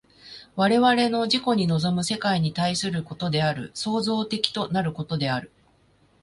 我々の自己に臨む世界に対することである、創造的となることである。